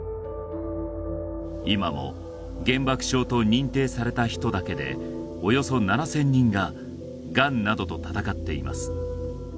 今も原爆症と認定された人だけでおよそ７０００人ががんなどと闘っています